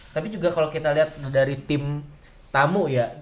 tapi juga kalau kita lihat dari tim tamu ya